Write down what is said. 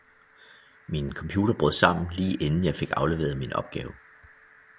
Min computer brød sammen, lige inden jeg fik afleveret min opgave